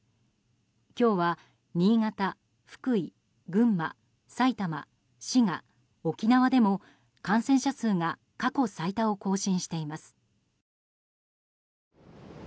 今日は新潟、福井、群馬、埼玉滋賀、沖縄でも感染者数が過去最多を更新しています。